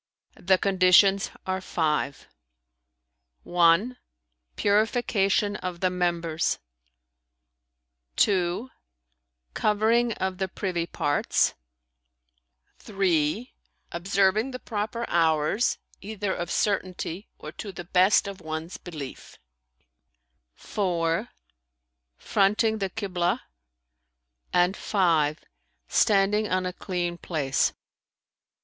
"The conditions are five: (1) purification of the members; (2) covering of the privy parts; (3) observing the proper hours, either of certainty or to the best of one's belief; (4) fronting the Kiblah; and (5) standing on a clean place.